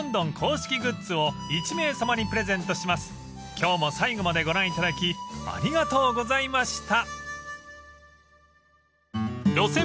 ［今日も最後までご覧いただきありがとうございました］